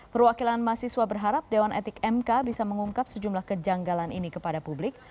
perwakilan mahasiswa berharap dewan etik mk bisa mengungkap sejumlah kejanggalan ini kepada publik